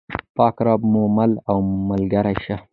پاک رب مو مل او ملګری شه.